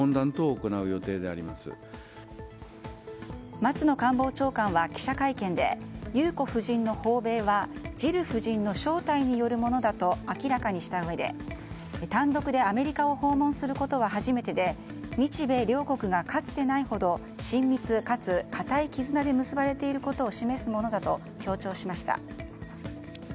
松野官房長官は記者会見で裕子夫人の訪米はジル夫人の招待によるものだと明らかにしたうえで単独でアメリカを訪問することは初めてで日米両国がかつてないほど親密かつ固い絆で結ばれていることを示すものだと強調しました。